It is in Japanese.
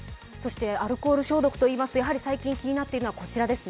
アルコール消毒といいますと、最近気になったのはこちらです